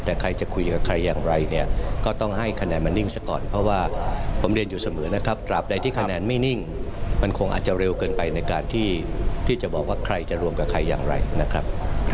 แต่ใครจะคุยกับใครอย่างไรเนี่ยก็ต้องให้คะแนนมันนิ่งซะก่อนเพราะว่าผมเรียนอยู่เสมอนะครับตราบใดที่คะแนนไม่นิ่งมันคงอาจจะเร็วเกินไปในการที่จะบอกว่าใครจะรวมกับใครอย่างไรนะครับ